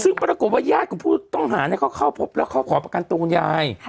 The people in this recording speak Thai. ซึ่งปรากฏว่าญาติของผู้ต้องหาเขาเข้าพบแล้วเขาขอประกันตัวคุณยาย